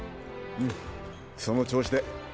んその調子で。